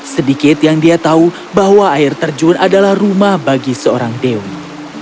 sedikit yang dia tahu bahwa air terjun adalah rumah bagi seorang dewi